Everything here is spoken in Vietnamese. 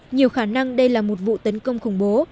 nhiều khả năng đây là một vụ tấn công khủng bố